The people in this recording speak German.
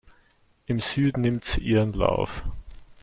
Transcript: Im Süden nimmt sie ihren Lauf.